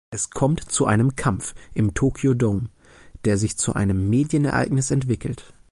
Es kommt zu einem Kampf im Tokyo Dome, der sich zu einem Medienereignis entwickelt.